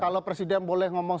kalau presiden boleh ngomong